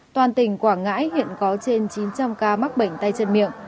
toàn tỉnh quảng ngãi hiện có trên chín trăm linh ca mắc bệnh tay chân miệng